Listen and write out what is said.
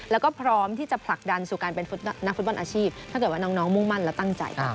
แล้วก็พร้อมที่จะผลักดันสู่การเป็นนักฟุตบอลอาชีพถ้าเกิดว่าน้องมุ่งมั่นและตั้งใจ